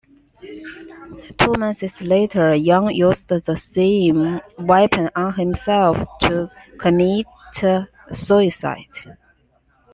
Two months later, Young used the same weapon on himself to commit suicide.